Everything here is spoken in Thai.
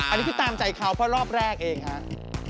อันนี้คือตามใจเขาเพราะรอบแรกเองครับ